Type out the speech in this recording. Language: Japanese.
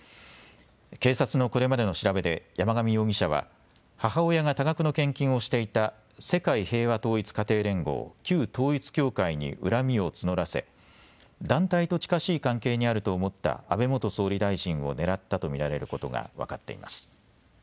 警察のこれまでの調べで山上容疑者は母親が多額の献金をしていた世界平和統一家庭連合、旧統一教会に恨みを募らせ団体と近しい関係にあると思った安倍元総理大臣を狙ったと見られることが分かっいます。